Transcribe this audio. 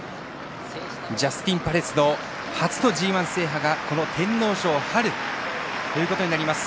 ジャスティンパレスの初の天皇賞制覇がこの天皇賞ということになります。